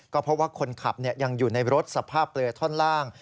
ก็เพราะว่าคนขับยังอยู่ในรถสภาพเปลือท่อนล่าง